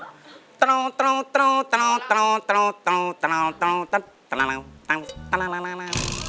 มันจะมันจะขึ้นมาอย่างนี้ครับ